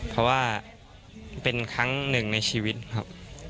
เพราะว่าเป็นครั้งหนึ่งในชีวิตครับ